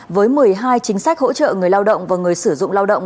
với một mươi hai chính sách hỗ trợ người lao động và người sử dụng lao động